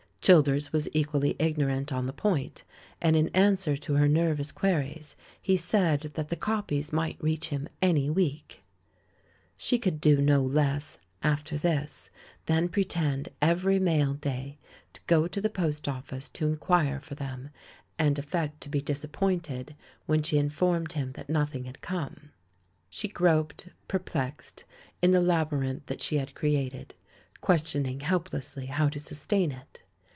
Childers was equally ignorant on the point, and in answer to her nervous queries he said that the copies might reach him any week. She could do no less, after this, than pretend THE LAUHELS AND THE LADY 131 every mail day to go to the post office to inquire for them, and affect to be disappointed when she informed him that nothing had come. She groped, perplexed, in the labyrinth that she had created, questioning helplessly how to sustain it.